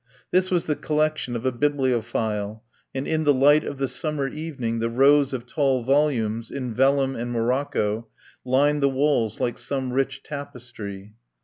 This was the collection of a bibliophile, and in the light of the summer evening the rows of tall volumes in vellum and morocco lined the walls like some rich tapestry.